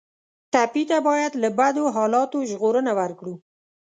ټپي ته باید له بدو حالاتو ژغورنه ورکړو.